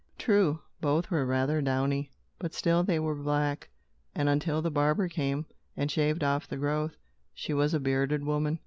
True, both were rather downy, but still they were black; and, until the barber came, and shaved off the growth, she was a bearded woman.